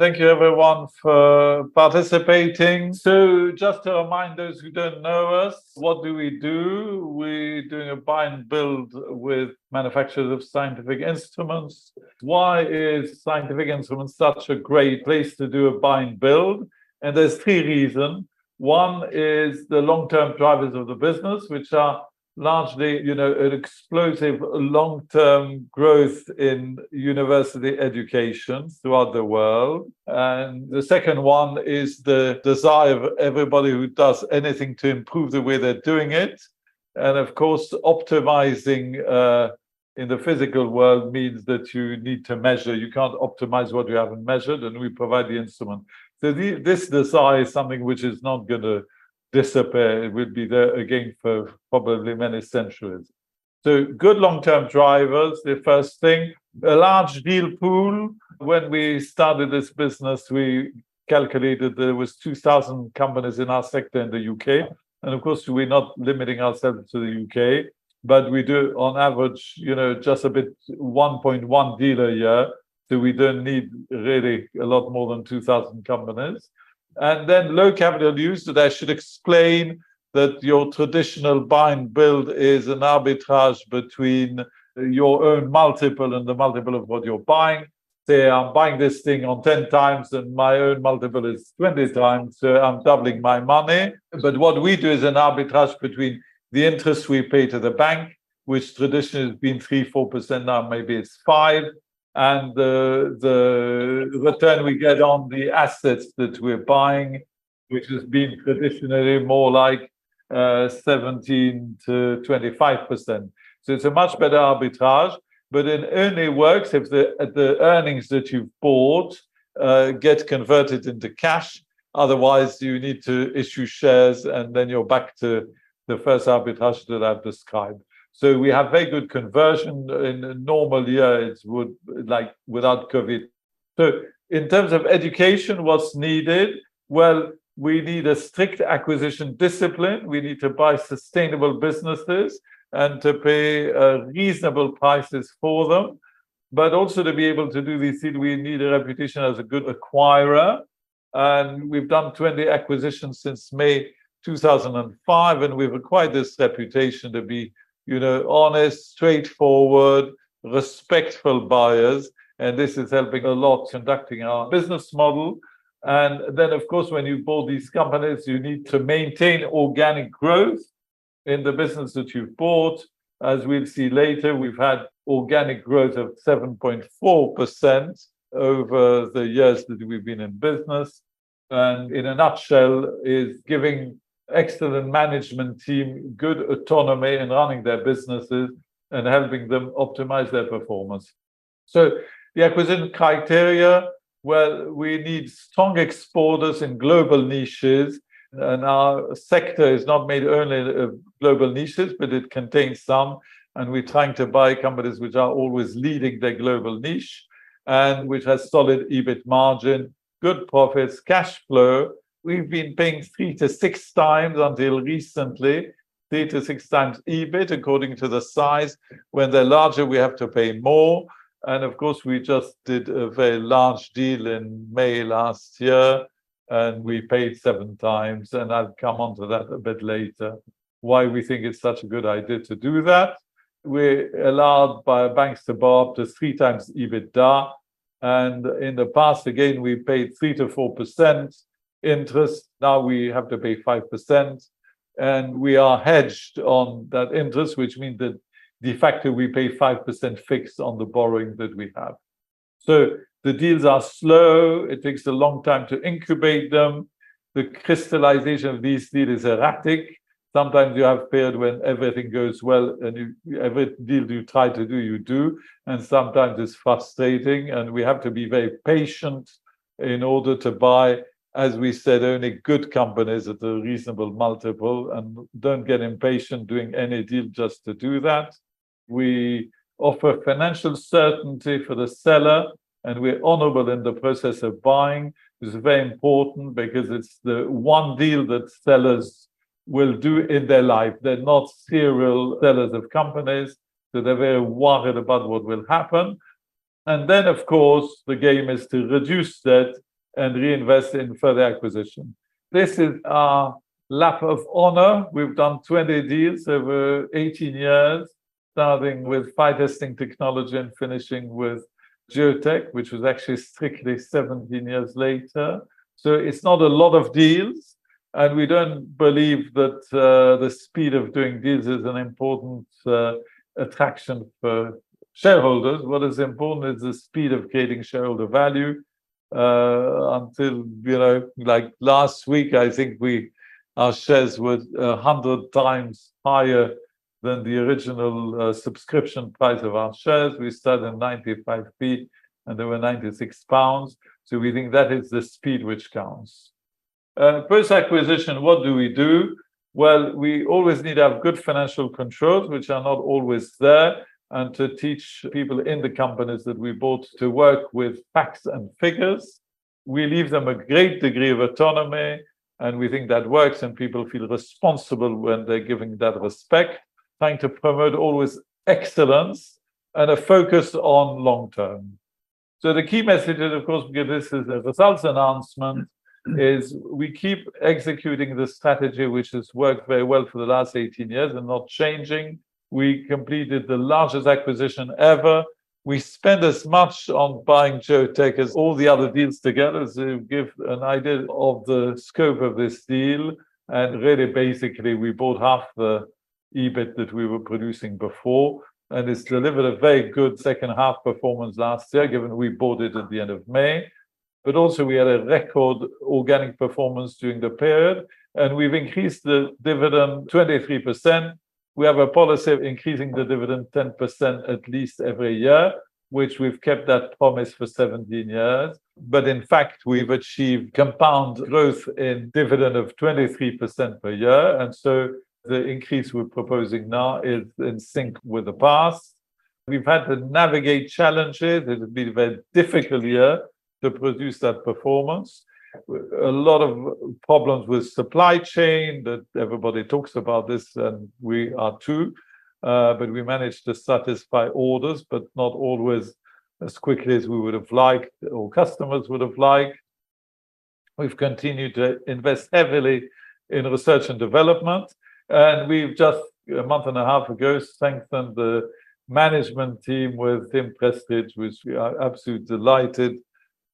Thank you, everyone, for participating, so just to remind those who don't know us, what do we do? We're doing a buy-and-build with manufacturers of scientific instruments. Why are scientific instruments such a great place to do a buy-and-build? and there's three reasons. One is the long-term drivers of the business, which are largely, you know, an explosive long-term growth in university education throughout the world, and the second one is the desire of everybody who does anything to improve the way they're doing it, and, of course, optimizing in the physical world means that you need to measure. You can't optimize what you haven't measured, and we provide the instrument, so this desire is something which is not going to disappear. It will be there again for probably many centuries, so, good long-term drivers, the first thing. A large deal pool. When we started this business, we calculated there were 2,000 companies in our sector in the UK. And, of course, we're not limiting ourselves to the UK, but we do, on average, you know, just a bit, 1.1 deals a year. So we don't need really a lot more than 2,000 companies. And then low capital use, so that should explain that your traditional buy-and-build is an arbitrage between your own multiple and the multiple of what you're buying. Say, I'm buying this thing on 10 times, and my own multiple is 20 times, so I'm doubling my money. But what we do is an arbitrage between the interest we pay to the bank, which traditionally has been 3%, 4%, now maybe it's 5%, and the return we get on the assets that we're buying, which has been traditionally more like 17%-25%. It's a much better arbitrage, but it only works if the earnings that you've bought get converted into cash. Otherwise, you need to issue shares, and then you're back to the first arbitrage that I've described. We have very good conversion in a normal year, without COVID. In terms of education, what's needed? Well, we need a strict acquisition discipline. We need to buy sustainable businesses and to pay reasonable prices for them. But also to be able to do these deals, we need a reputation as a good acquirer. We've done 20 acquisitions since May 2005, and we've acquired this reputation to be, you know, honest, straightforward, respectful buyers. This is helping a lot conducting our business model. Then, of course, when you bought these companies, you need to maintain organic growth in the business that you've bought. As we'll see later, we've had organic growth of 7.4% over the years that we've been in business. And in a nutshell, it's giving the excellent management team good autonomy in running their businesses and helping them optimize their performance. So, the acquisition criteria, well, we need strong exporters in global niches. And our sector is not made only of global niches, but it contains some. And we're trying to buy companies which are always leading their global niche and which have solid EBIT margin, good profits, and cash flow. We've been paying three to six times until recently, three to six times EBIT according to the size. When they're larger, we have to pay more. And, of course, we just did a very large deal in May last year, and we paid seven times. And I'll come on to that a bit later, why we think it's such a good idea to do that. We're allowed by banks to borrow up to three times EBITDA. And in the past, again, we paid 3%-4% interest. Now we have to pay 5%. And we are hedged on that interest, which means that de facto we pay 5% fixed on the borrowing that we have. So, the deals are slow. It takes a long time to incubate them. The crystallization of these deals is erratic. Sometimes you failed when everything goes well, and every deal you try to do, you do. And sometimes it's frustrating. And we have to be very patient in order to buy, as we said, only good companies at a reasonable multiple. And don't get impatient doing any deal just to do that. We offer financial certainty for the seller, and we're honorable in the process of buying, which is very important because it's the one deal that sellers will do in their life. They're not serial sellers of companies, so they're very worried about what will happen. And then, of course, the game is to reduce that and reinvest in further acquisition. This is our lap of honor. We've done 20 deals over 18 years, starting with Fire Testing Technology and finishing with Geotek, which was actually strictly 17 years later. So, it's not a lot of deals. And we don't believe that the speed of doing deals is an important attraction for shareholders. What is important is the speed of creating shareholder value. Until, you know, like last week, I think our shares were 100 times higher than the original subscription price of our shares. We started at 0.95, and they were 96 pounds. So, we think that is the speed which counts. Post-acquisition, what do we do? Well, we always need to have good financial controls, which are not always there, and to teach people in the companies that we bought to work with facts and figures. We leave them a great degree of autonomy, and we think that works, and people feel responsible when they're given that respect, trying to promote always excellence and a focus on long term. So, the key message is, of course, because this is a results announcement, is we keep executing the strategy which has worked very well for the last 18 years and not changing. We completed the largest acquisition ever. We spent as much on buying Geotek as all the other deals together. So, to give an idea of the scope of this deal, and really basically, we bought half the EBIT that we were producing before, and it's delivered a very good second half performance last year, given we bought it at the end of May. But also, we had a record organic performance during the period, and we've increased the dividend 23%. We have a policy of increasing the dividend 10% at least every year, which we've kept that promise for 17 years. But in fact, we've achieved compound growth in dividend of 23% per year. And so, the increase we're proposing now is in sync with the past. We've had to navigate challenges. It has been a very difficult year to produce that performance. A lot of problems with supply chain that everybody talks about this, and we are too. But we managed to satisfy orders, but not always as quickly as we would have liked or customers would have liked. We've continued to invest heavily in research and development, and we've just, a month and a half ago, strengthened the management team with Team Prestidge, which we are absolutely delighted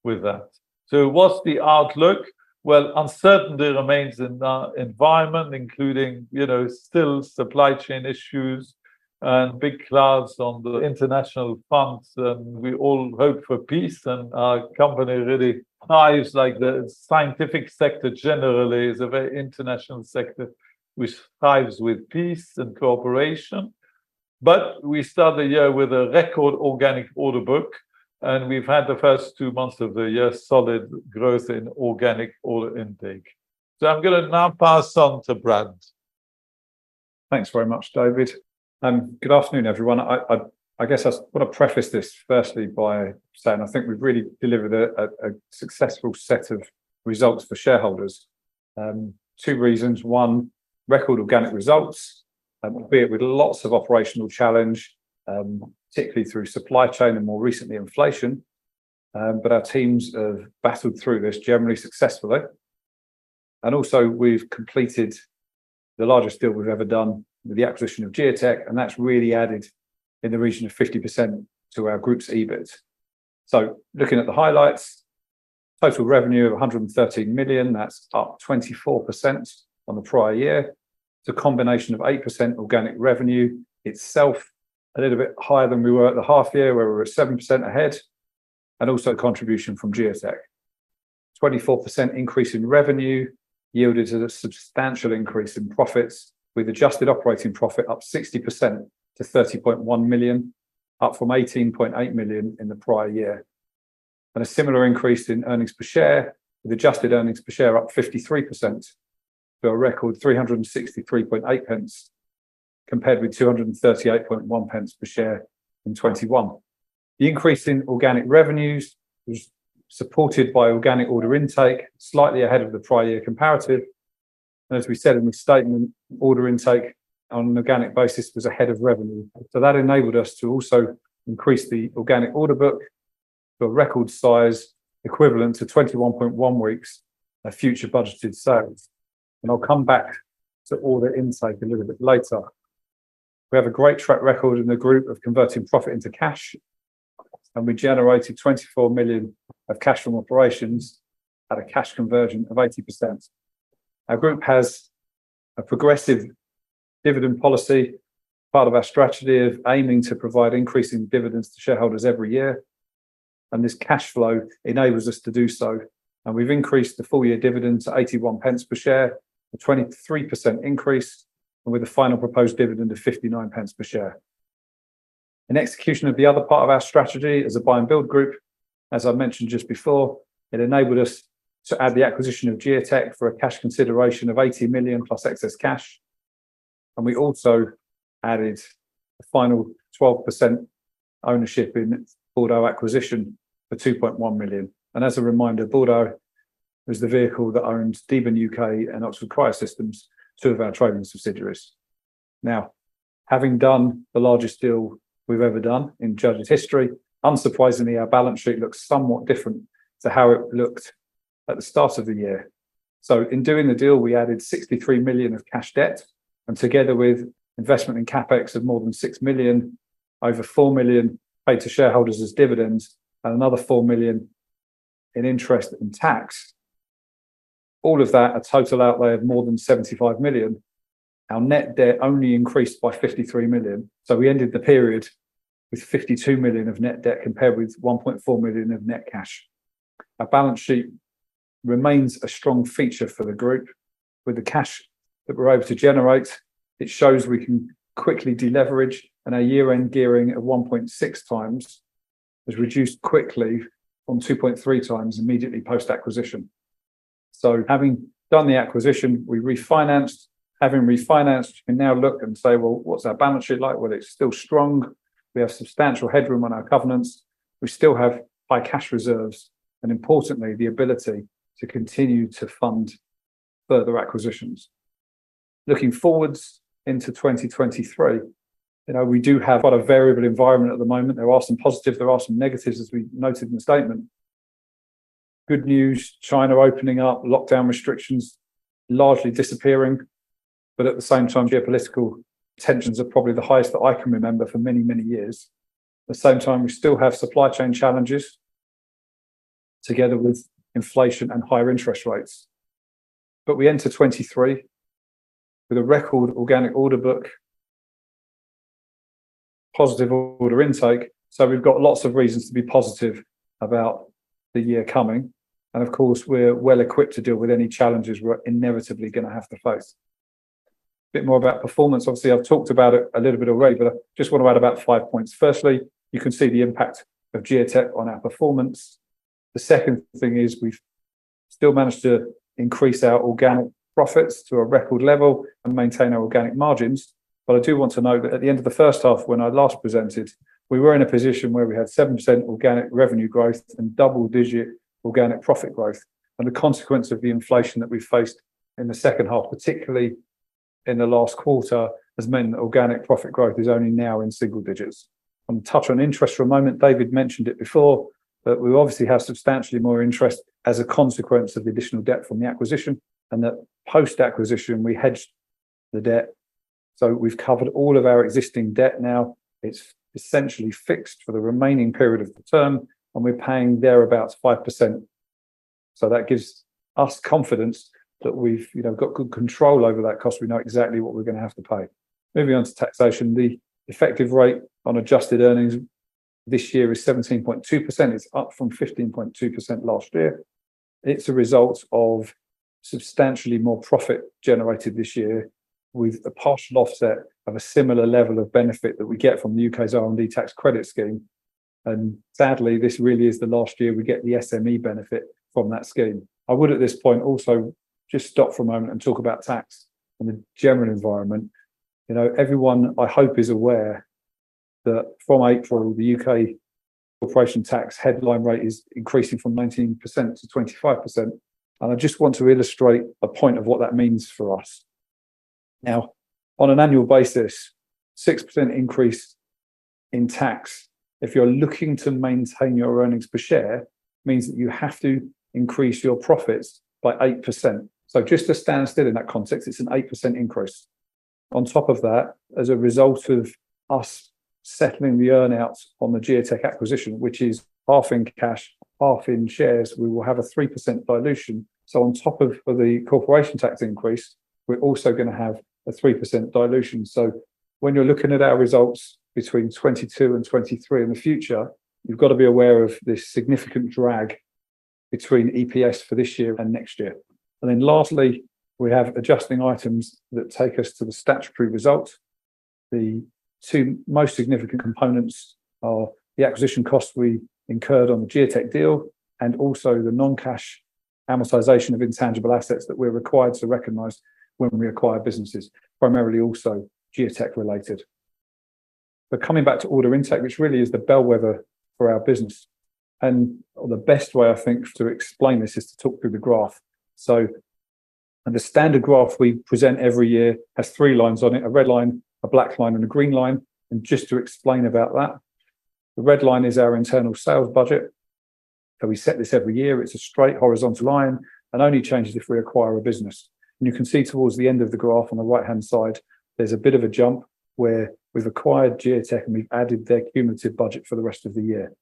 with that. So, what's the outlook? Well, uncertainty remains in our environment, including, you know, still supply chain issues and big clouds on the international front. And we all hope for peace, and our company really thrives like the scientific sector generally is a very international sector which thrives with peace and cooperation. But we start the year with a record organic order book, and we've had the first two months of the year solid growth in organic order intake. So, I'm going to now pass on to Brad. Thanks very much, David. And good afternoon, everyone. I guess I want to preface this firstly by saying I think we've really delivered a successful set of results for shareholders. Two reasons. One, record organic results, albeit with lots of operational challenge, particularly through supply chain and more recently inflation. But our teams have battled through this generally successfully. And also, we've completed the largest deal we've ever done with the acquisition of Geotek, and that's really added in the region of 50% to our group's EBIT. Looking at the highlights, total revenue of 113 million, that's up 24% on the prior year. It's a combination of 8% organic revenue itself, a little bit higher than we were at the half year, where we were 7% ahead, and also contribution from Geotek. 24% increase in revenue yielded a substantial increase in profits, with adjusted operating profit up 60% to 30.1 million, up from 18.8 million in the prior year, and a similar increase in earnings per share, with adjusted earnings per share up 53% to a record 363.8 pence, compared with 238.1 pence per share in 2021. The increase in organic revenues was supported by organic order intake, slightly ahead of the prior year comparative, and as we said in the statement, order intake on an organic basis was ahead of revenue, so, that enabled us to also increase the organic order book to a record size equivalent to 21.1 weeks of future budgeted sales, and I'll come back to order intake a little bit later. We have a great track record in the group of converting profit into cash, and we generated 24 million of cash from operations at a cash conversion of 80%. Our group has a progressive dividend policy, part of our strategy of aiming to provide increasing dividends to shareholders every year. This cash flow enables us to do so. We've increased the full year dividend to 81 pence per share, a 23% increase, and with a final proposed dividend of 59 pence per share. In execution of the other part of our strategy as a buy-and-build group, as I mentioned just before, it enabled us to add the acquisition of Geotek for a cash consideration of 80 million plus excess cash. We also added a final 12% ownership in Bordeaux Acquisition for 2.1 million. As a reminder, Bordeaux was the vehicle that owned Deben UK and Oxford Cryosystems, two of our trading subsidiaries. Now, having done the largest deal we've ever done in Judges history, unsurprisingly, our balance sheet looks somewhat different to how it looked at the start of the year. In doing the deal, we added 63 million of cash debt, and together with investment in CapEx of more than 6 million, over 4 million paid to shareholders as dividends, and another 4 million in interest and tax. All of that, a total outlay of more than 75 million. Our net debt only increased by 53 million. We ended the period with 52 million of net debt compared with 1.4 million of net cash. Our balance sheet remains a strong feature for the group. With the cash that we're able to generate, it shows we can quickly deleverage, and our year-end gearing of 1.6 times has reduced quickly from 2.3 times immediately post-acquisition. So, having done the acquisition, we refinanced. Having refinanced, we can now look and say, well, what's our balance sheet like? Well, it's still strong. We have substantial headroom on our covenants. We still have high cash reserves and, importantly, the ability to continue to fund further acquisitions. Looking forward into 2023, you know, we do have quite a variable environment at the moment. There are some positives. There are some negatives, as we noted in the statement. Good news, China opening up, lockdown restrictions largely disappearing. But at the same time, geopolitical tensions are probably the highest that I can remember for many, many years. At the same time, we still have supply chain challenges together with inflation and higher interest rates, but we enter 2023 with a record organic order book, positive order intake, so we've got lots of reasons to be positive about the year coming, and of course, we're well equipped to deal with any challenges we're inevitably going to have to face. A bit more about performance. Obviously, I've talked about it a little bit already, but I just want to add about five points. Firstly, you can see the impact of Geotek on our performance. The second thing is we've still managed to increase our organic profits to a record level and maintain our organic margins. But I do want to note that at the end of the first half, when I last presented, we were in a position where we had 7% organic revenue growth and double-digit organic profit growth. And the consequence of the inflation that we faced in the second half, particularly in the last quarter, has meant that organic profit growth is only now in single digits. I'll touch on interest for a moment. David mentioned it before, but we obviously have substantially more interest as a consequence of the additional debt from the acquisition. And that post-acquisition, we hedged the debt. So, we've covered all of our existing debt now. It's essentially fixed for the remaining period of the term, and we're paying thereabouts 5%. So, that gives us confidence that we've, you know, got good control over that cost. We know exactly what we're going to have to pay. Moving on to taxation, the effective rate on adjusted earnings this year is 17.2%. It's up from 15.2% last year. It's a result of substantially more profit generated this year, with a partial offset of a similar level of benefit that we get from the UK's R&D tax credit scheme. And sadly, this really is the last year we get the SME benefit from that scheme. I would at this point also just stop for a moment and talk about tax and the general environment. You know, everyone, I hope, is aware that from April, the UK corporation tax headline rate is increasing from 19% to 25%. And I just want to illustrate a point of what that means for us. Now, on an annual basis, 6% increase in tax, if you're looking to maintain your earnings per share, means that you have to increase your profits by 8%. Just to stand still in that context, it's an 8% increase. On top of that, as a result of us settling the earnouts on the Geotek acquisition, which is half in cash, half in shares, we will have a 3% dilution. On top of the corporation tax increase, we're also going to have a 3% dilution. When you're looking at our results between 2022 and 2023 in the future, you've got to be aware of this significant drag between EPS for this year and next year. Lastly, we have adjusting items that take us to the statutory result. The two most significant components are the acquisition costs we incurred on the Geotek deal and also the non-cash amortization of intangible assets that we're required to recognize when we acquire businesses, primarily also Geotek related. But coming back to order intake, which really is the bellwether for our business. And the best way, I think, to explain this is to talk through the graph. So, the standard graph we present every year has three lines on it: a red line, a black line, and a green line. And just to explain about that, the red line is our internal sales budget. So, we set this every year. It's a straight horizontal line and only changes if we acquire a business. And you can see towards the end of the graph on the right-hand side, there's a bit of a jump where we've acquired Geotek and we've added their cumulative budget for the rest of the year.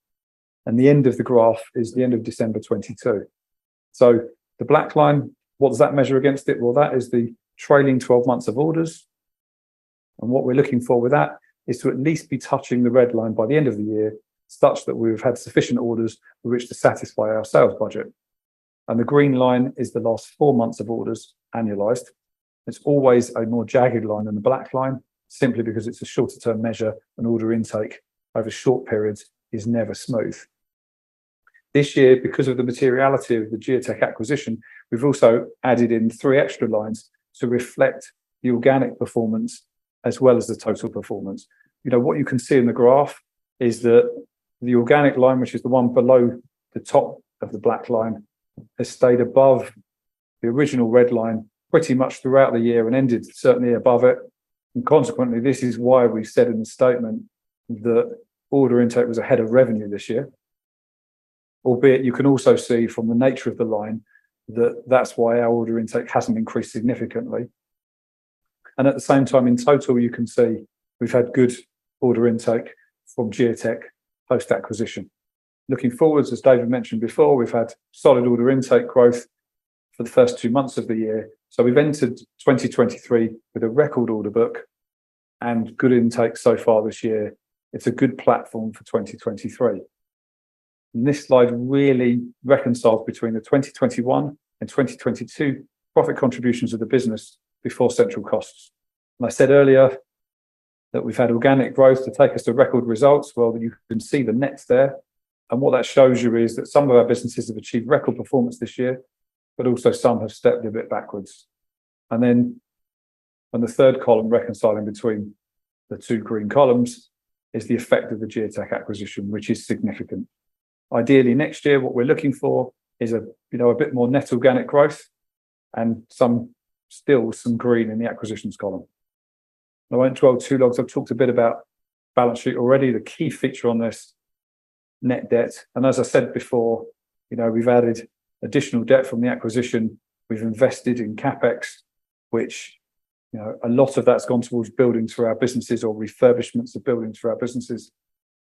And the end of the graph is the end of December 2022. So, the black line, what does that measure against it? That is the trailing 12 months of orders. What we're looking for with that is to at least be touching the red line by the end of the year such that we've had sufficient orders for which to satisfy our sales budget. The green line is the last four months of orders annualized. It's always a more jagged line than the black line, simply because it's a shorter-term measure. An order intake over short periods is never smooth. This year, because of the materiality of the Geotek acquisition, we've also added in three extra lines to reflect the organic performance as well as the total performance. You know, what you can see in the graph is that the organic line, which is the one below the top of the black line, has stayed above the original red line pretty much throughout the year and ended certainly above it. And consequently, this is why we said in the statement that order intake was ahead of revenue this year. Albeit, you can also see from the nature of the line that that's why our order intake hasn't increased significantly. And at the same time, in total, you can see we've had good order intake from Geotek post-acquisition. Looking forward, as David mentioned before, we've had solid order intake growth for the first two months of the year. So, we've entered 2023 with a record order book and good intake so far this year. It's a good platform for 2023. This slide really reconciles between the 2021 and 2022 profit contributions of the business before central costs. I said earlier that we've had organic growth to take us to record results. You can see the net there. What that shows you is that some of our businesses have achieved record performance this year, but also some have stepped a bit backwards. Then on the third column, reconciling between the two green columns, is the effect of the Geotek acquisition, which is significant. Ideally, next year, what we're looking for is a bit more net organic growth and still some green in the acquisitions column. I won't dwell too long. I've talked a bit about balance sheet already. The key feature on this, net debt. As I said before, you know, we've added additional debt from the acquisition. We've invested in CapEx, which, you know, a lot of that's gone towards buildings for our businesses or refurbishments of buildings for our businesses.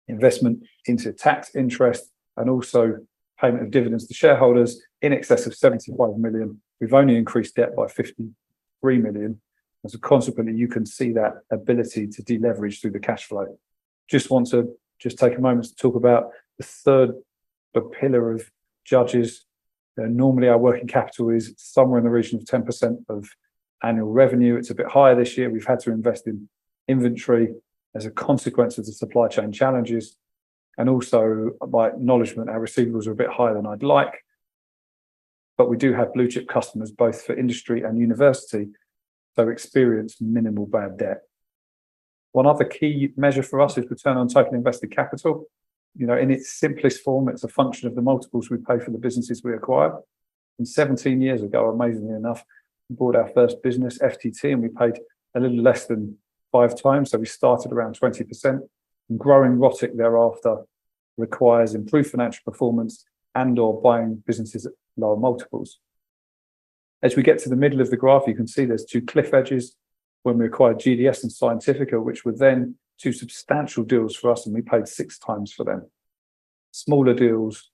Investment into tax interest and also payment of dividends to shareholders in excess of 75 million. We've only increased debt by 53 million. And so, consequently, you can see that ability to deleverage through the cash flow. Just want to take a moment to talk about the third pillar of Judges. Normally, our working capital is somewhere in the region of 10% of annual revenue. It's a bit higher this year. We've had to invest in inventory as a consequence of the supply chain challenges. And also, by acknowledgement, our receivables are a bit higher than I'd like. But we do have blue chip customers, both for industry and university, so experience minimal bad debt. One other key measure for us is return on total invested capital. You know, in its simplest form, it's a function of the multiples we pay for the businesses we acquire, and 17 years ago, amazingly enough, we bought our first business, FTT, and we paid a little less than five times, so we started around 20%, and growing ROTIC thereafter requires improved financial performance and/or buying businesses at lower multiples. As we get to the middle of the graph, you can see there's two cliff edges when we acquired GDS and Scientifica, which were then two substantial deals for us, and we paid six times for them. Smaller deals,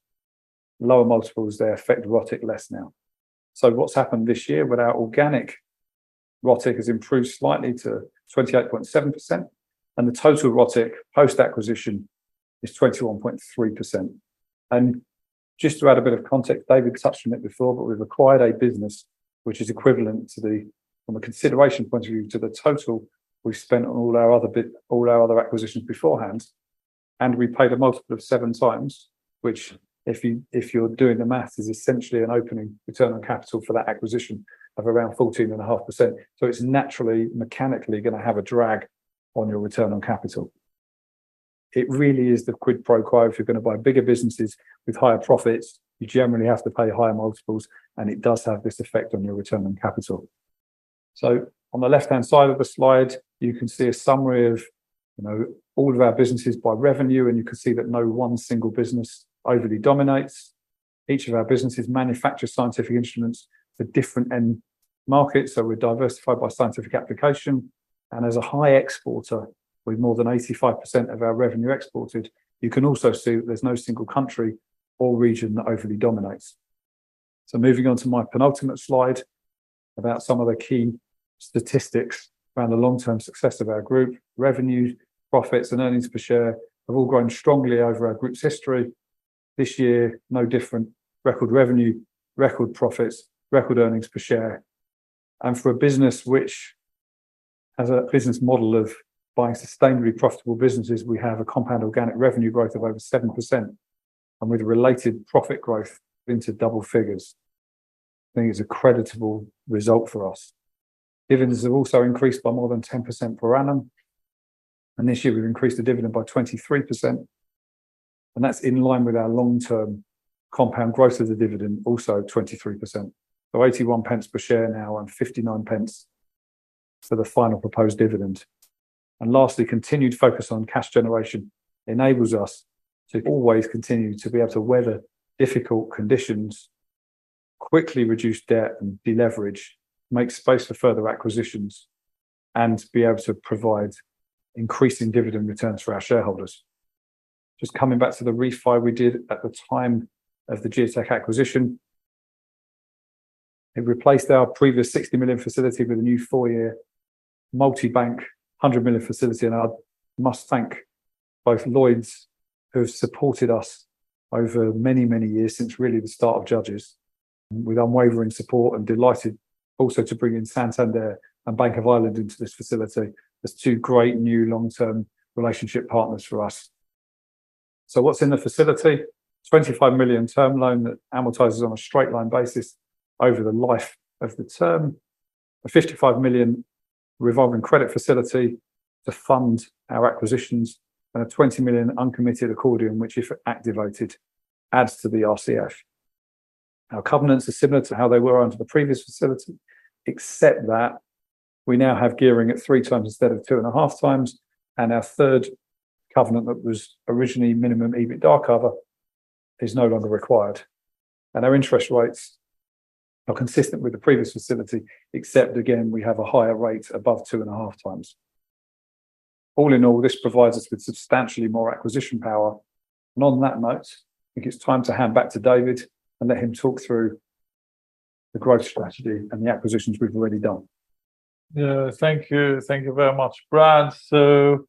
lower multiples, they affect ROTIC less now, so what's happened this year with our organic? ROTIC has improved slightly to 28.7%, and the total ROTIC post-acquisition is 21.3%. Just to add a bit of context, David touched on it before, but we've acquired a business which is equivalent to the, from a consideration point of view, to the total we've spent on all our other acquisitions beforehand. We paid a multiple of seven times, which, if you're doing the math, is essentially an opening return on capital for that acquisition of around 14.5%. It's naturally, mechanically going to have a drag on your return on capital. It really is the quid pro quo. If you're going to buy bigger businesses with higher profits, you generally have to pay higher multiples, and it does have this effect on your return on capital. On the left-hand side of the slide, you can see a summary of, you know, all of our businesses by revenue, and you can see that no one single business overly dominates. Each of our businesses manufactures scientific instruments for different end markets, so we're diversified by scientific application, and as a high exporter, with more than 85% of our revenue exported, you can also see that there's no single country or region that overly dominates, so moving on to my penultimate slide about some of the key statistics around the long-term success of our group. Revenues, profits, and earnings per share have all grown strongly over our group's history. This year no different. Record revenue, record profits, record earnings per share, and for a business which has a business model of buying sustainably profitable businesses, we have a compound organic revenue growth of over 7%, and with related profit growth into double figures. I think it's a creditable result for us. Dividends have also increased by more than 10% per annum, and this year, we've increased the dividend by 23%. That's in line with our long-term compound growth of the dividend, also 23%. So, 0.81 per share now and 0.59 for the final proposed dividend. And lastly, continued focus on cash generation enables us to always continue to be able to weather difficult conditions, quickly reduce debt, and deleverage, make space for further acquisitions, and be able to provide increasing dividend returns for our shareholders. Just coming back to the refi we did at the time of the Geotek acquisition, it replaced our previous 60 million facility with a new four-year multi-bank 100 million facility. And I must thank both Lloyds, who have supported us over many, many years since really the start of Judges, with unwavering support and delighted also to bring in Santander and Bank of Ireland into this facility as two great new long-term relationship partners for us. So, what's in the facility? 25 million term loan that amortizes on a straight line basis over the life of the term, a 55 million revolving credit facility to fund our acquisitions, and a 20 million uncommitted accordion, which, if activated, adds to the RCF. Our covenants are similar to how they were under the previous facility, except that we now have gearing at three times instead of two and a half times. Our third covenant that was originally minimum EBITDA cover is no longer required. Our interest rates are consistent with the previous facility, except, again, we have a higher rate above two and a half times. All in all, this provides us with substantially more acquisition power. On that note, I think it's time to hand back to David and let him talk through the growth strategy and the acquisitions we've already done. Yeah, thank you. Thank you very much, Brad. So,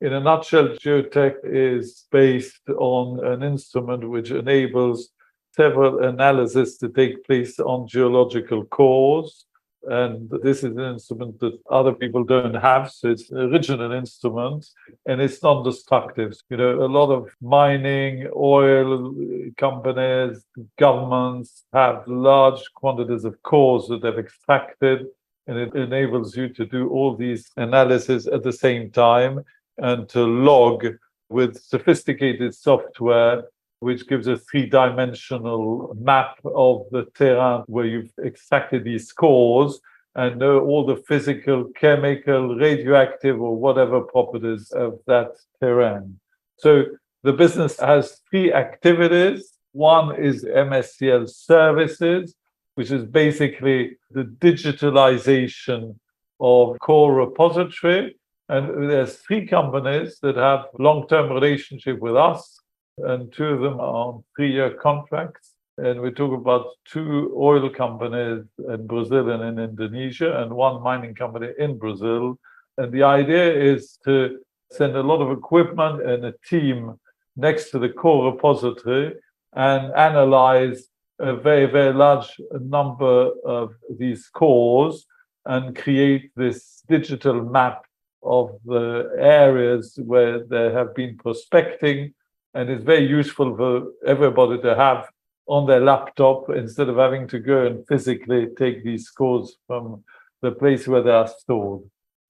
in a nutshell, Geotek is based on an instrument which enables several analyses to take place on geological cores. And this is an instrument that other people don't have. So, it's an original instrument, and it's non-destructive. You know, a lot of mining, oil companies, governments have large quantities of cores that they've extracted. And it enables you to do all these analyses at the same time and to log with sophisticated software, which gives a three-dimensional map of the terrain where you've extracted these cores and know all the physical, chemical, radioactive, or whatever properties of that terrain. So, the business has three activities. One is MSCL services, which is basically the digitalization of core repository. And there's three companies that have a long-term relationship with us, and two of them are on three-year contracts. And we talk about two oil companies in Brazil and in Indonesia, and one mining company in Brazil. And the idea is to send a lot of equipment and a team next to the core repository and analyze a very, very large number of these cores and create this digital map of the areas where they have been prospecting. And it's very useful for everybody to have on their laptop instead of having to go and physically take these cores from the place where they are stored.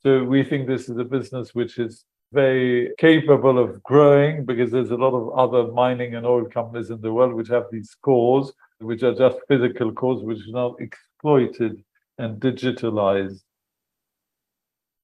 So, we think this is a business which is very capable of growing because there's a lot of other mining and oil companies in the world which have these cores, which are just physical cores, which are now exploited and digitized.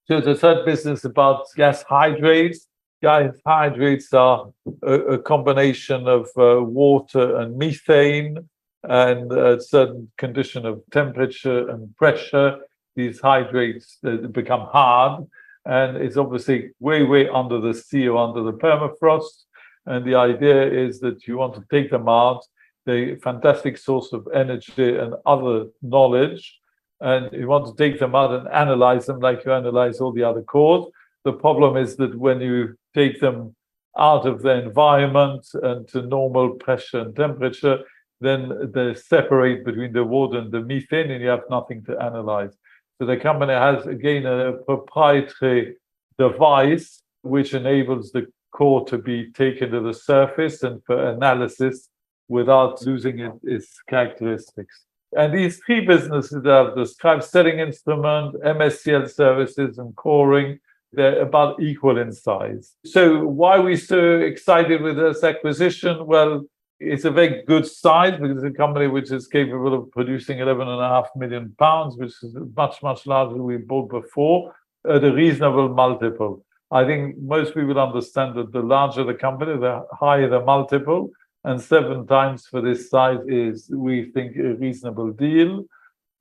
So, there's a third business about gas hydrates. Gas hydrates are a combination of water and methane, and at a certain condition of temperature and pressure, these hydrates become hard, and it's obviously way, way under the sea or under the permafrost, and the idea is that you want to take them out. They're a fantastic source of energy and other knowledge, and you want to take them out and analyze them like you analyze all the other cores. The problem is that when you take them out of the environment and to normal pressure and temperature, then they separate between the water and the methane, and you have nothing to analyze, so the company has, again, a proprietary device which enables the core to be taken to the surface and for analysis without losing its characteristics, and these three businesses are the instrument, MSCL services, and coring. They're about equal in size. So, why are we so excited with this acquisition? Well, it's a very good size because it's a company which is capable of producing 11.5 million pounds, which is much, much larger than we bought before. At a reasonable multiple. I think most people understand that the larger the company, the higher the multiple. And seven times for this size is, we think, a reasonable deal.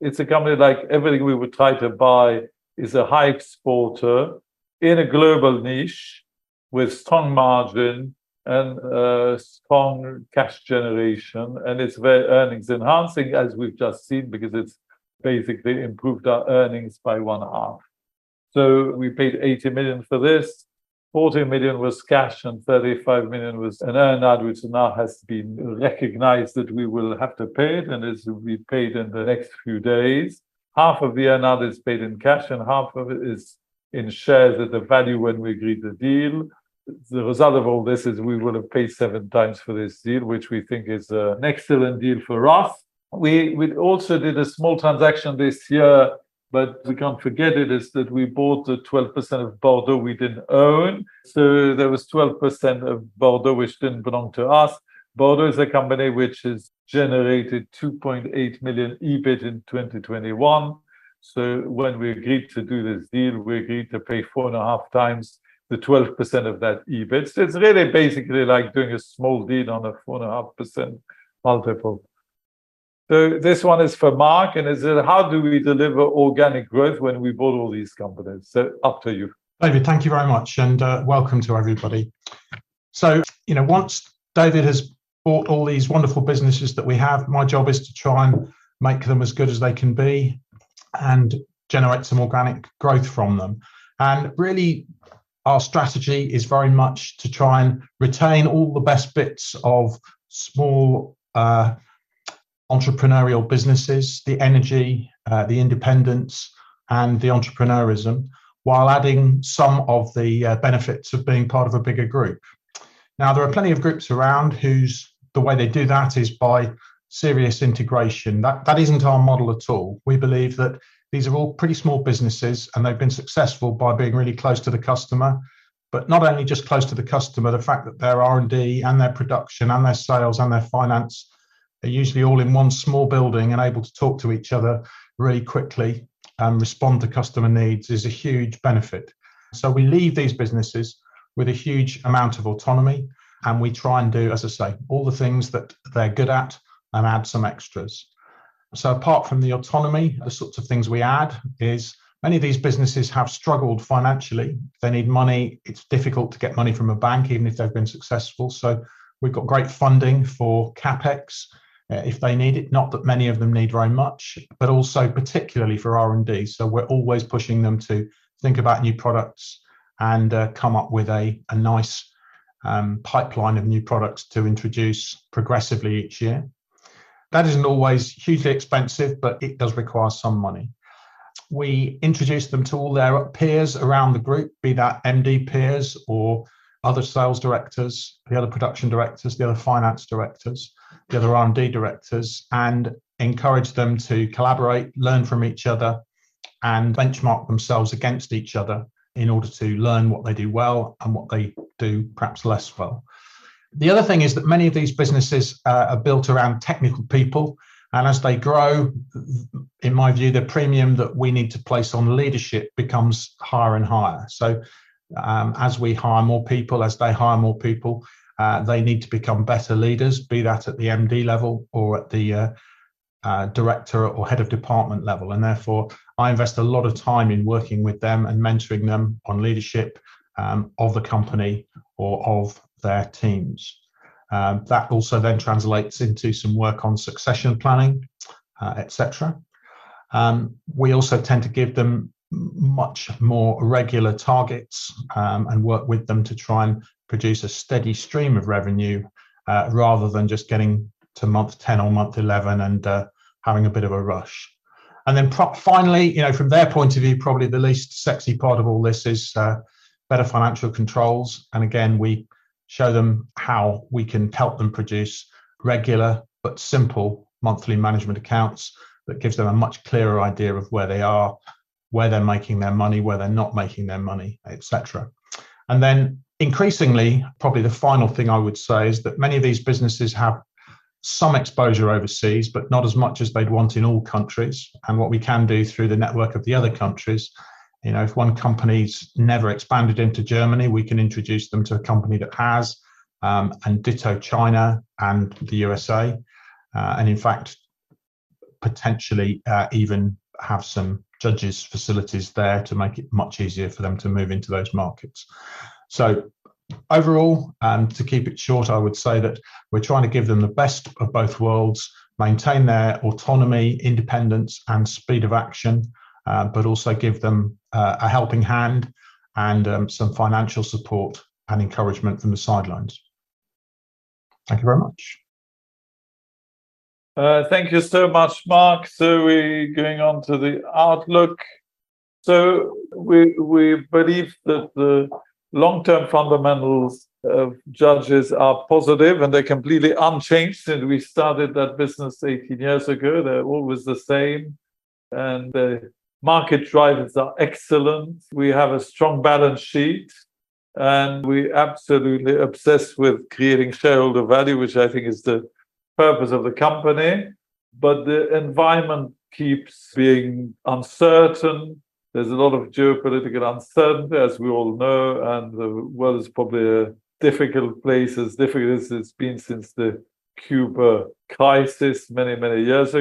It's a company like everything we would try to buy is a high exporter in a global niche with strong margin and strong cash generation. And it's very earnings-enhancing, as we've just seen, because it's basically improved our earnings by one half. So, we paid 80 million for this. 40 million was cash, and 35 million was an earn-out, which now has been recognized that we will have to pay it. And it's to be paid in the next few days. Half of the earned add is paid in cash, and half of it is in shares at the value when we agreed the deal. The result of all this is we will have paid seven times for this deal, which we think is an excellent deal for us. We also did a small transaction this year, but we can't forget it, is that we bought the 12% of Bordeaux we didn't own. So, there was 12% of Bordeaux which didn't belong to us. Bordeaux is a company which has generated 2.8 million EBIT in 2021. So, when we agreed to do this deal, we agreed to pay four and a half times the 12% of that EBIT. So, it's really basically like doing a small deal on a 4.5% multiple. So, this one is for Mark. And it's how do we deliver organic growth when we bought all these companies? So, up to you. David, thank you very much. And welcome to everybody. So, you know, once David has bought all these wonderful businesses that we have, my job is to try and make them as good as they can be and generate some organic growth from them. And really, our strategy is very much to try and retain all the best bits of small entrepreneurial businesses, the energy, the independence, and the entrepreneurism, while adding some of the benefits of being part of a bigger group. Now, there are plenty of groups around whose way they do that is by serious integration. That isn't our model at all. We believe that these are all pretty small businesses, and they've been successful by being really close to the customer. But not only just close to the customer, the fact that their R&D and their production and their sales and their finance are usually all in one small building and able to talk to each other really quickly and respond to customer needs is a huge benefit. So, we leave these businesses with a huge amount of autonomy, and we try and do, as I say, all the things that they're good at and add some extras. So, apart from the autonomy, the sorts of things we add is many of these businesses have struggled financially. They need money. It's difficult to get money from a bank, even if they've been successful. So, we've got great funding for CapEx if they need it. Not that many of them need very much, but also particularly for R&D. So, we're always pushing them to think about new products and come up with a nice pipeline of new products to introduce progressively each year. That isn't always hugely expensive, but it does require some money. We introduce them to all their peers around the group, be that MD peers or other sales directors, the other production directors, the other finance directors, the other R&D directors, and encourage them to collaborate, learn from each other, and benchmark themselves against each other in order to learn what they do well and what they do perhaps less well. The other thing is that many of these businesses are built around technical people. And as they grow, in my view, the premium that we need to place on leadership becomes higher and higher. As we hire more people, as they hire more people, they need to become better leaders, be that at the MD level or at the director or head of department level. And therefore, I invest a lot of time in working with them and mentoring them on leadership of the company or of their teams. That also then translates into some work on succession planning, etc. We also tend to give them much more regular targets and work with them to try and produce a steady stream of revenue rather than just getting to month 10 or month 11 and having a bit of a rush. And then finally, you know, from their point of view, probably the least sexy part of all this is better financial controls. Again, we show them how we can help them produce regular but simple monthly management accounts that gives them a much clearer idea of where they are, where they're making their money, where they're not making their money, etc. Then increasingly, probably the final thing I would say is that many of these businesses have some exposure overseas, but not as much as they'd want in all countries. What we can do through the network of the other countries, you know, if one company's never expanded into Germany, we can introduce them to a company that has and ditto China and the USA. In fact, potentially even have some Judges' facilities there to make it much easier for them to move into those markets. So, overall, and to keep it short, I would say that we're trying to give them the best of both worlds, maintain their autonomy, independence, and speed of action, but also give them a helping hand and some financial support and encouragement from the sidelines. Thank you very much. Thank you so much, Mark. We're going on to the outlook. We believe that the long-term fundamentals of Judges are positive and they're completely unchanged since we started that business 18 years ago. They're always the same. The market drivers are excellent. We have a strong balance sheet. We're absolutely obsessed with creating shareholder value, which I think is the purpose of the company. The environment keeps being uncertain. There's a lot of geopolitical uncertainty, as we all know. The world is probably a difficult place, as difficult as it's been since the Cuba crisis many, many years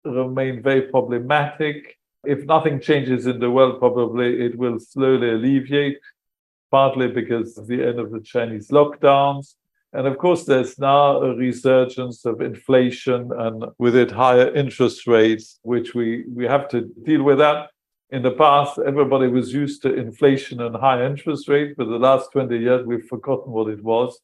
ago. The supply chain remained very problematic. If nothing changes in the world, probably it will slowly alleviate, partly because of the end of the Chinese lockdowns. Of course, there's now a resurgence of inflation and with it, higher interest rates, which we have to deal with that. In the past, everybody was used to inflation and high interest rates. The last 20 years, we've forgotten what it was.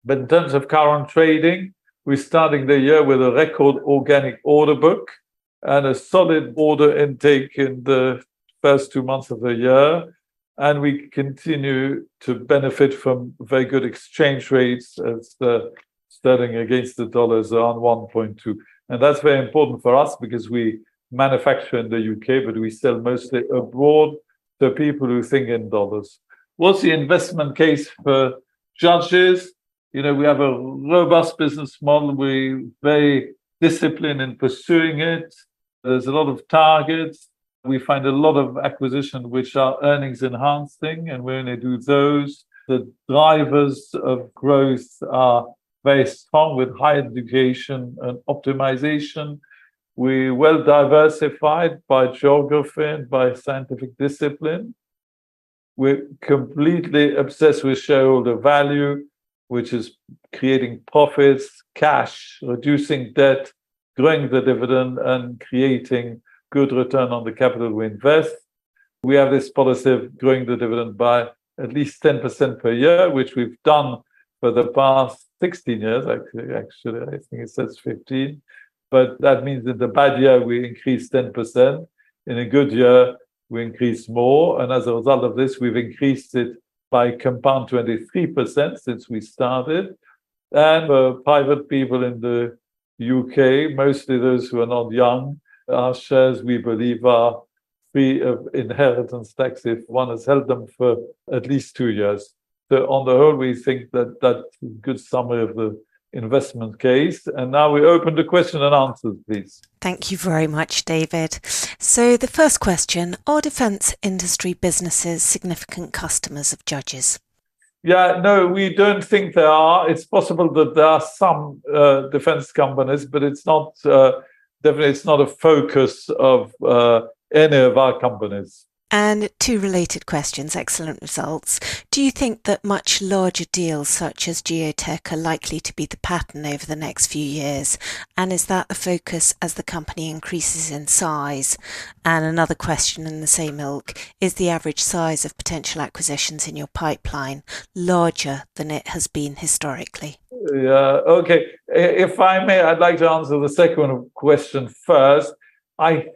Now we have to be alert and think on our feet in terms of dealing with that. In terms of current trading, we're starting the year with a record organic order book and a solid order intake in the first two months of the year. We continue to benefit from very good exchange rates as the sterling against the dollars are on 1.2. That's very important for us because we manufacture in the U.K., but we sell mostly abroad. People who think in dollars. What's the investment case for Judges? You know, we have a robust business model. We're very disciplined in pursuing it. There's a lot of targets. We find a lot of acquisitions which are earnings-enhancing, and we're going to do those. The drivers of growth are very strong with acquisitions and optimization. We're well diversified by geography and by scientific discipline. We're completely obsessed with shareholder value, which is creating profits, cash, reducing debt, growing the dividend, and creating good return on the capital we invest. We have this policy of growing the dividend by at least 10% per year, which we've done for the past 16 years. Actually, I think it says 15. But that means in the bad year, we increase 10%. In a good year, we increase more. And as a result of this, we've increased it by compound 23% since we started. And for private people in the U.K., mostly those who are not young, our shares, we believe, are free of inheritance tax if one has held them for at least two years. So, on the whole, we think that that's a good summary of the investment case. And now we open to questions and answers, please. Thank you very much, David. So, the first question: are defense industry businesses significant customers of Judges? Yeah, no, we don't think they are. It's possible that there are some defense companies, but it's not definitely not a focus of any of our companies. And two related questions, excellent results. Do you think that much larger deals such as Geotek are likely to be the pattern over the next few years? And is that the focus as the company increases in size? And another question in the same ilk: is the average size of potential acquisitions in your pipeline larger than it has been historically? Yeah, okay. If I may, I'd like to answer the second question first. I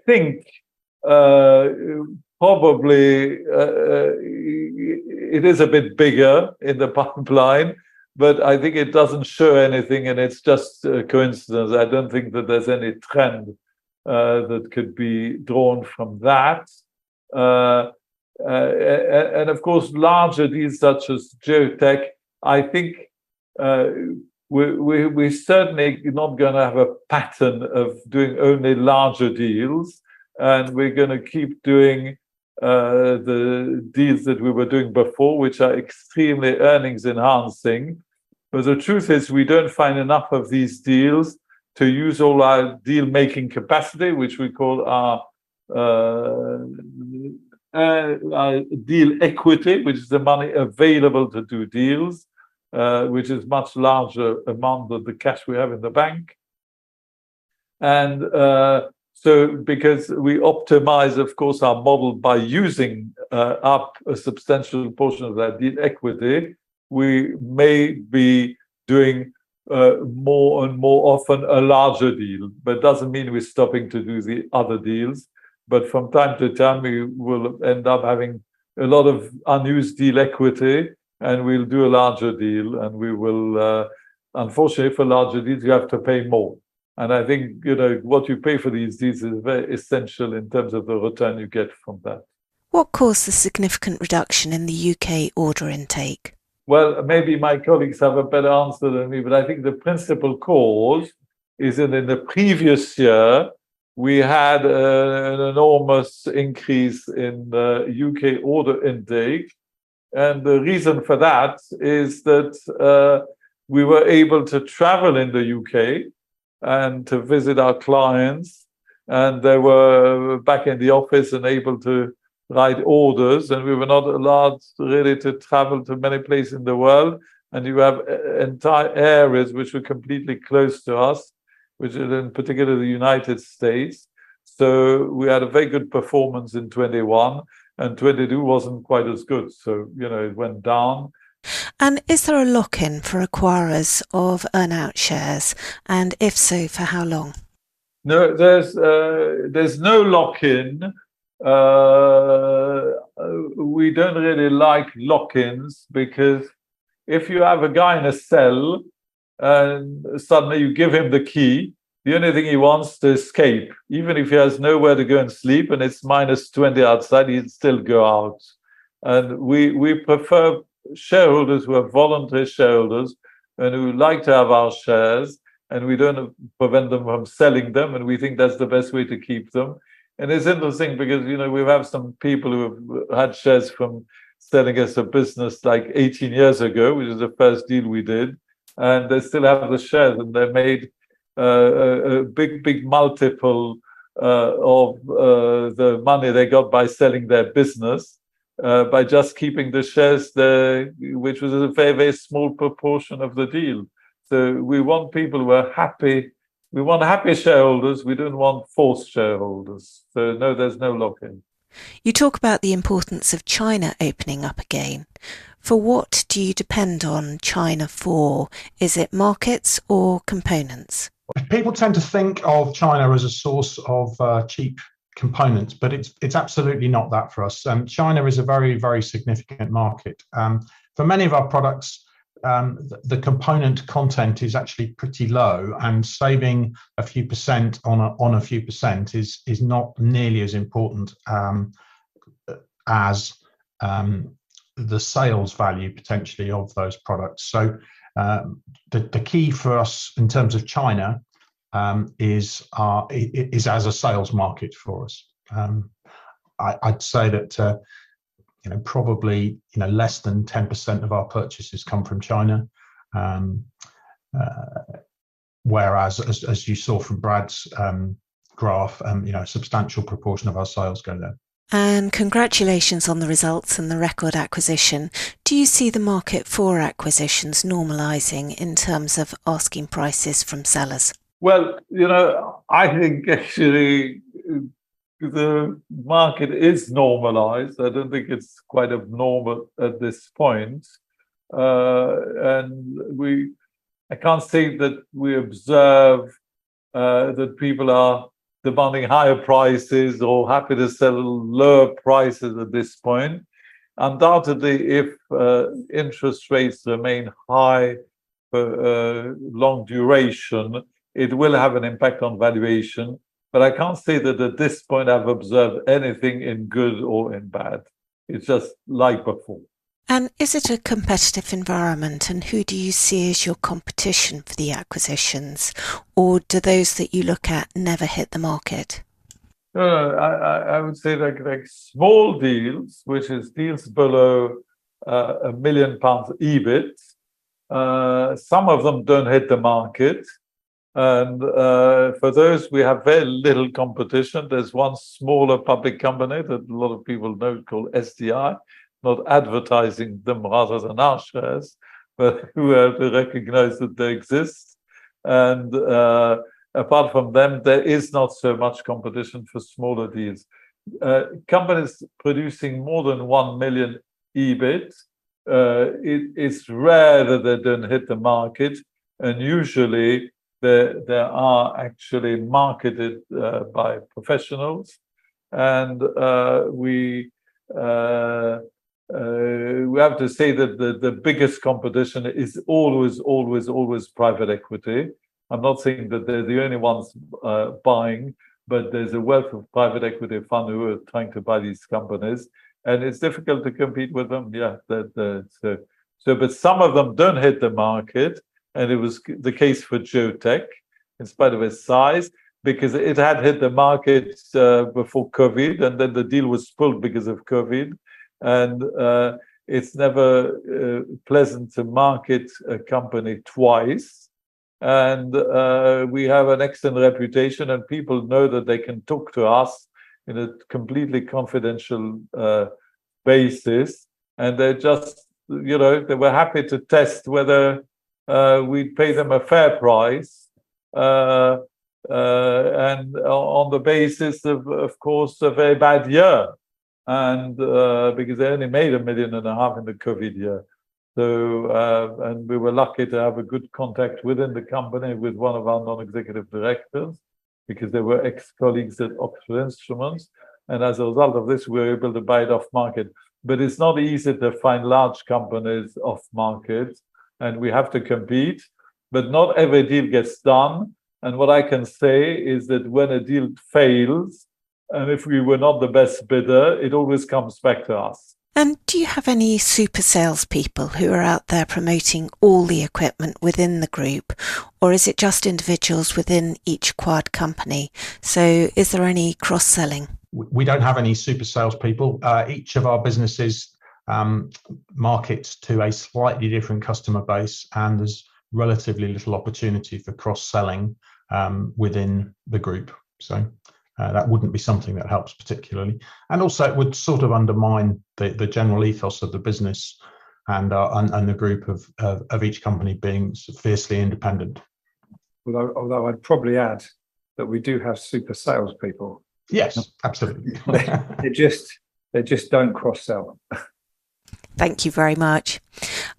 think probably it is a bit bigger in the pipeline, but I think it doesn't show anything, and it's just a coincidence. I don't think that there's any trend that could be drawn from that. And of course, larger deals such as Geotek, I think we're certainly not going to have a pattern of doing only larger deals. And we're going to keep doing the deals that we were doing before, which are extremely earnings-enhancing. But the truth is we don't find enough of these deals to use all our deal-making capacity, which we call our deal equity, which is the money available to do deals, which is a much larger amount of the cash we have in the bank. And so, because we optimize, of course, our model by using up a substantial portion of that deal equity, we may be doing more and more often a larger deal. But it doesn't mean we're stopping to do the other deals. But from time to time, we will end up having a lot of unused deal equity, and we'll do a larger deal. And we will, unfortunately, for larger deals, you have to pay more. And I think, you know, what you pay for these deals is very essential in terms of the return you get from that. What caused the significant reduction in the UK order intake? Well, maybe my colleagues have a better answer than me, but I think the principal cause is that in the previous year, we had an enormous increase in the UK order intake. And the reason for that is that we were able to travel in the UK and to visit our clients. And they were back in the office and able to write orders. And we were not allowed really to travel to many places in the world. And you have entire areas which were completely closed to us, which is in particular the United States. So, we had a very good performance in 2021, and 2022 wasn't quite as good. So, you know, it went down. And is there a lock-in for acquirers of earn-out shares? And if so, for how long? No, there's no lock-in. We don't really like lock-ins because if you have a guy in a cell and suddenly you give him the key, the only thing he wants is to escape. Even if he has nowhere to go and sleep and it's minus 20 outside, he'd still go out. And we prefer shareholders who are voluntary shareholders and who like to have our shares. And we don't prevent them from selling them. And we think that's the best way to keep them. And it's interesting because, you know, we have some people who have had shares from selling us a business like 18 years ago, which is the first deal we did. And they still have the shares, and they made a big, big multiple of the money they got by selling their business by just keeping the shares, which was a very, very small proportion of the deal. So, we want people who are happy. We want happy shareholders. We don't want false shareholders. So, no, there's no lock-in. You talk about the importance of China opening up again. For what do you depend on China for? Is it markets or components? People tend to think of China as a source of cheap components, but it's absolutely not that for us. China is a very, very significant market. For many of our products, the component content is actually pretty low. And saving a few percent on a few percent is not nearly as important as the sales value potentially of those products. So, the key for us in terms of China is as a sales market for us. I'd say that, you know, probably less than 10% of our purchases come from China, whereas, as you saw from Brad's graph, a substantial proportion of our sales go there. Congratulations on the results and the record acquisition. Do you see the market for acquisitions normalizing in terms of asking prices from sellers? You know, I think actually the market is normalized. I don't think it's quite abnormal at this point. And I can't say that we observe that people are demanding higher prices or happy to sell lower prices at this point. Undoubtedly, if interest rates remain high for long duration, it will have an impact on valuation. But I can't say that at this point I've observed anything in good or in bad. It's just like before. Is it a competitive environment? And who do you see as your competition for the acquisitions? Or do those that you look at never hit the market? I would say that small deals, which are deals below 1 million pounds EBIT, some of them don't hit the market. For those, we have very little competition. There's one smaller public company that a lot of people know called SDI, not advertising them rather than our shares, but we have to recognize that they exist. Apart from them, there is not so much competition for smaller deals. Companies producing more than one million EBIT, it's rare that they don't hit the market. Usually, they are actually marketed by professionals. We have to say that the biggest competition is always, always, always private equity. I'm not saying that they're the only ones buying, but there's a wealth of private equity funds who are trying to buy these companies. It's difficult to compete with them, yeah. But some of them don't hit the market. It was the case for Geotek in spite of its size because it had hit the market before COVID, and then the deal was pulled because of COVID. It's never pleasant to market a company twice. We have an excellent reputation, and people know that they can talk to us on a completely confidential basis. They're just, you know, they were happy to test whether we'd pay them a fair price and on the basis of, of course, a very bad year. Because they only made 1.5 million in the COVID year. We were lucky to have a good contact within the company with one of our non-executive directors because they were ex-colleagues at Oxford Instruments. As a result of this, we were able to buy it off-market. It's not easy to find large companies off-market. We have to compete. But not every deal gets done. And what I can say is that when a deal fails, and if we were not the best bidder, it always comes back to us. Do you have any super salespeople who are out there promoting all the equipment within the group? Or is it just individuals within each of our companies? So, is there any cross-selling? We don't have any super salespeople. Each of our businesses markets to a slightly different customer base, and there's relatively little opportunity for cross-selling within the group. So, that wouldn't be something that helps particularly. And also, it would sort of undermine the general ethos of the business and the group of each company being fiercely independent. Although I'd probably add that we do have super salespeople. Yes, absolutely. They just don't cross-sell. Thank you very much.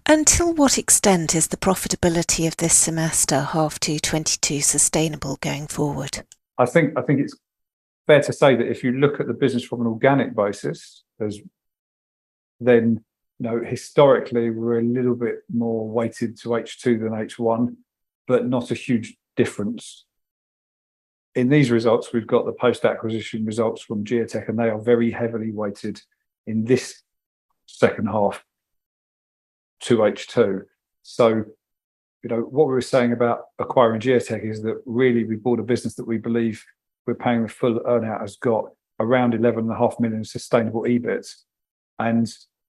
To what extent is the profitability of this first half to 2022 sustainable going forward? I think it's fair to say that if you look at the business from an organic basis, then historically, we're a little bit more weighted to H2 than H1, but not a huge difference. In these results, we've got the post-acquisition results from Geotek, and they are very heavily weighted in this second half to H2. So, you know, what we were saying about acquiring Geotek is that really we bought a business that we believe we're paying the full earn-out has got around 11.5 million sustainable EBITs. And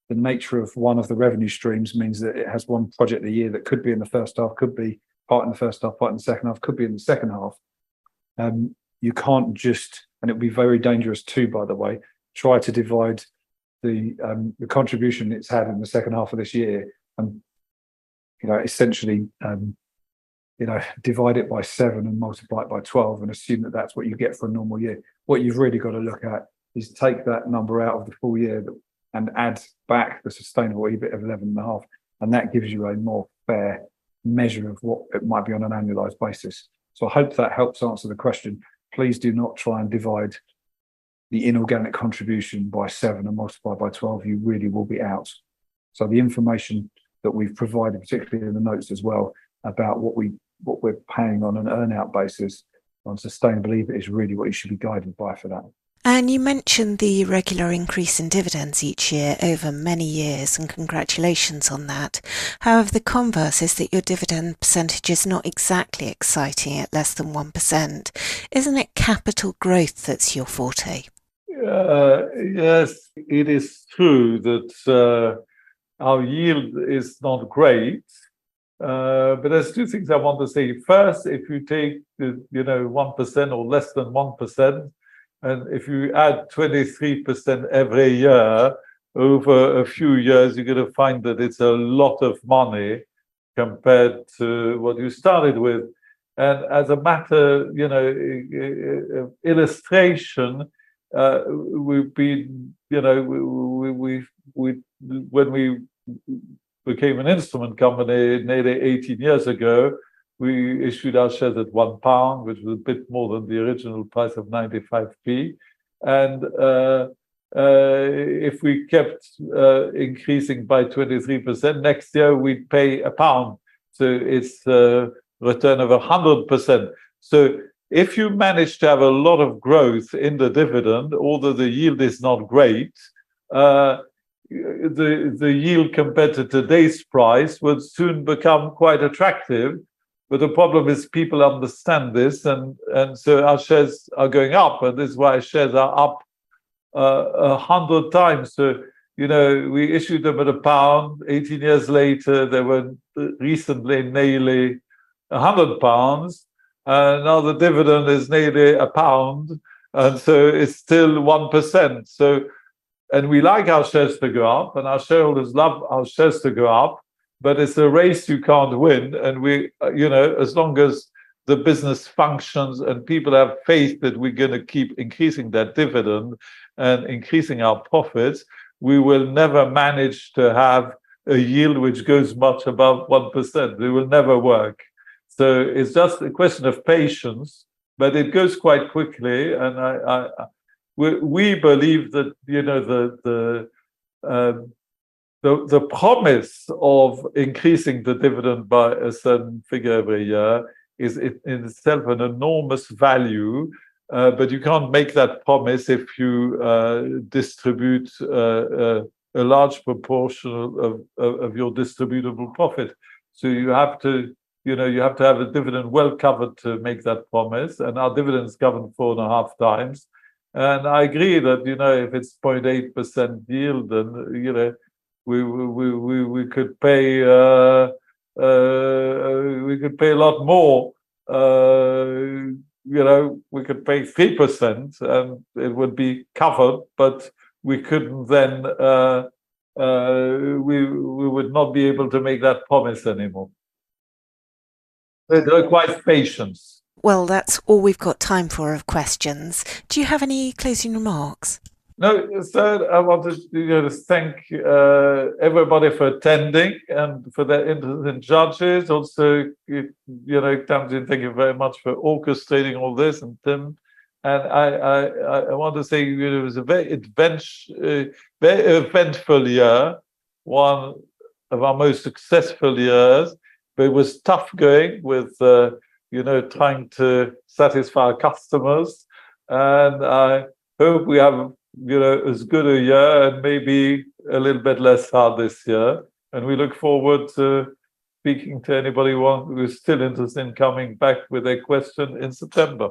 the nature of one of the revenue streams means that it has one project a year that could be in the first half, could be part in the first half, part in the second half, could be in the second half. You can't just, and it would be very dangerous too, by the way, try to divide the contribution it's had in the second half of this year and, you know, essentially, you know, divide it by seven and multiply it by 12 and assume that that's what you get for a normal year. What you've really got to look at is take that number out of the full year and add back the sustainable EBIT of 11.5. That gives you a more fair measure of what it might be on an annualized basis. I hope that helps answer the question. Please do not try and divide the inorganic contribution by seven and multiply by 12. You really will be out. The information that we've provided, particularly in the notes as well, about what we're paying on an earn-out basis on sustainable EBIT is really what you should be guided by for that. And you mentioned the regular increase in dividends each year over many years, and congratulations on that. However, the converse is that your dividend percentage is not exactly exciting at less than 1%. Isn't it capital growth that's your forte? Yes, it is true that our yield is not great. But there's two things I want to say. First, if you take, you know, 1% or less than 1%, and if you add 23% every year over a few years, you're going to find that it's a lot of money compared to what you started with. As a matter of, you know, illustration, we've been, you know, when we became an instrument company nearly 18 years ago, we issued our shares at 1 pound, which was a bit more than the original price of 0.95. And if we kept increasing by 23%, next year we'd pay GBP 1. So, it's a return of 100%. So, if you manage to have a lot of growth in the dividend, although the yield is not great, the yield compared to today's price would soon become quite attractive. But the problem is people understand this, and so our shares are going up, and this is why shares are up 100 times. So, you know, we issued them at GBP 1. 18 years later, they were recently nearly 100 pounds. And now the dividend is nearly GBP 1. And so, it's still 1%. So, and we like our shares to go up, and our shareholders love our shares to go up, but it's a race you can't win. And we, you know, as long as the business functions and people have faith that we're going to keep increasing that dividend and increasing our profits, we will never manage to have a yield which goes much above 1%. It will never work. So, it's just a question of patience, but it goes quite quickly. And we believe that, you know, the promise of increasing the dividend by a certain figure every year is in itself an enormous value. But you can't make that promise if you distribute a large proportion of your distributable profit. So, you have to, you know, you have to have a dividend well covered to make that promise. And our dividend is covered four and a half times. And I agree that, you know, if it's 0.8% yield, then, you know, we could pay a lot more. You know, we could pay 3%, and it would be covered, but we couldn't then, we would not be able to make that promise anymore. So, it requires patience. Well, that's all we've got time for of questions. Do you have any closing remarks? No, sir. I wanted to, you know, thank everybody for attending and for the interesting questions. Also, you know, Tim, thank you very much for orchestrating all this and Tim. And I want to say it was a very eventful year, one of our most successful years. But it was tough going with, you know, trying to satisfy our customers. And I hope we have, you know, as good a year and maybe a little bit less hard this year. We look forward to speaking to anybody who is still interested in coming back with a question in September.